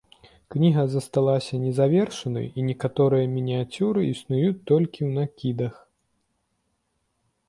Кніга засталася незавершанай, і некаторыя мініяцюры існуюць толькі ў накідах.